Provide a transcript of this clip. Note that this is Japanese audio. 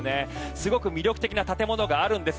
すごく魅力的な建物があるんです。